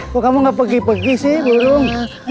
kok kamu gak pergi pergi sih burung